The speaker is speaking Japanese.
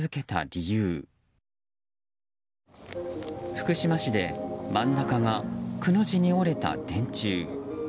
福島市で真ん中が、くの字に折れた電柱。